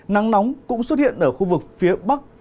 nắng nóng cũng xuất hiện ở khu vực phía bắc